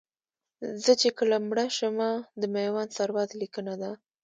زه چې کله مړ شمه د میوند سرباز لیکنه ده